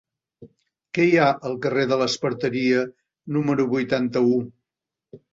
Què hi ha al carrer de l'Esparteria número vuitanta-u?